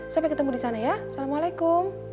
sampai ketemu disana ya assalamualaikum